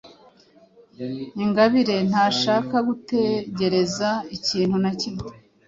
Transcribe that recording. Ingabire ntashaka gutegereza ikintu na kimwe.